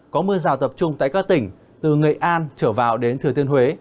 có mưa rào tập trung tại các tỉnh từ nghệ an trở vào đến thừa thiên huế